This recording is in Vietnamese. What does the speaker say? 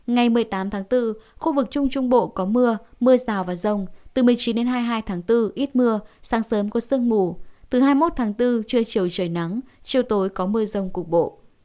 ngày một mươi tám tháng bốn khu vực trung trung bộ có mưa mưa rào và rông từ một mươi chín đến hai mươi hai tháng bốn ít mưa sáng sớm có sương mù từ hai mươi một tháng bốn trưa chiều trời nắng chiều tối có mưa rông cục bộ